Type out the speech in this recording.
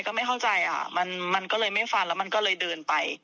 ก็ไม่เข้าใจอ่ะมันก็เลยไม่ฟันแล้วมันก็เลยเดินไป